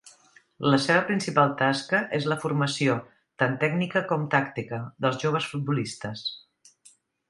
La seva principal tasca és la formació, tant tècnica com tàctica, dels joves futbolistes.